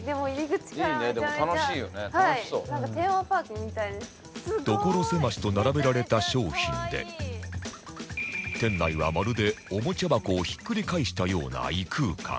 所狭しと並べられた商品で店内はまるでおもちゃ箱をひっくり返したような異空間